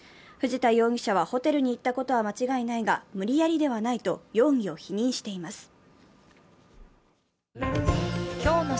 藤田容疑者は、ホテルに行ったことは間違いではないが無理やりではないと容疑を否認しています。